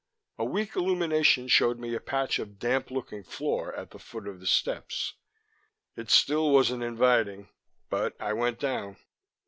A weak illumination showed me a patch of damp looking floor at the foot of the steps. It still wasn't inviting, but I went down.